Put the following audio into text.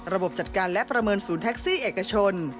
บจัดการและประเมินศูนย์แท็กซี่เอกชน